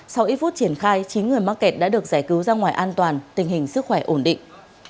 sau ít phút triển khai chín người mắc kẹt đã được giải cứu ra ngoài an toàn tình hình sức khỏe ổn định